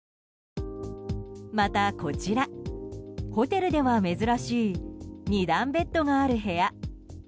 また、こちらホテルでは珍しい２段ベッドがある部屋。